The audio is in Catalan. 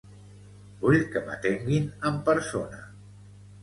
Vull que m'atenguin en persona.